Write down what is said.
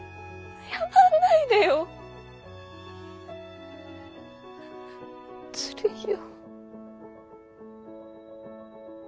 謝んないでよ。ずるいよ。